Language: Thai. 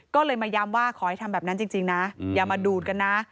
ก็เลยมาย้ำว่าขอให้ทำแบบนั้นจริงนะอย่ามาดูดกันนะ